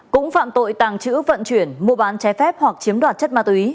cũng phạm tội tàng trữ vận chuyển mua bán trái phép hoặc chiếm đoạt chất ma túy